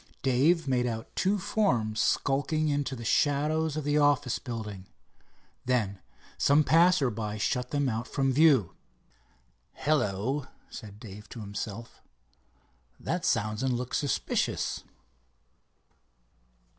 Dave made out two forms skulking into the shadow of the office building. Then some passersby shut them out from view. "Hello," said Dave to himself, "that sounds and looks suspicious."